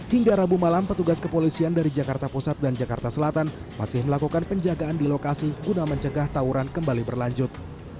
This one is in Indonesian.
hingga rabu malam petugas kepolisian dari jakarta pusat dan jakarta selatan masih melakukan penjagaan di lokasi guna mencegah tawuran kembali berlanjut